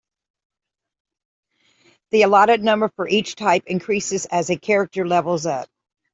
The allotted number for each type increases as a character levels up.